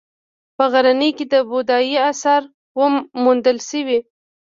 په غزني کې د بودايي اثار موندل شوي